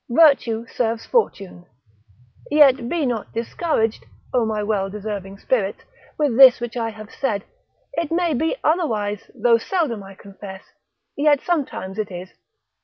virtue serves fortune. Yet be not discouraged (O my well deserving spirits) with this which I have said, it may be otherwise, though seldom I confess, yet sometimes it is.